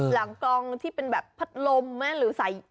หลังกองที่เป็นแบบพัดลมไหมหรือใส่